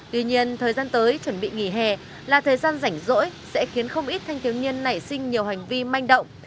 tuy nhiên thời gian tới chuẩn bị nghỉ hè là thời gian rảnh rỗi sẽ khiến không ít thanh thiếu nhiên nảy sinh nhiều hành vi manh động